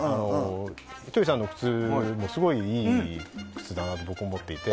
ひとりさんの靴もすごいいい靴だなと思っていて。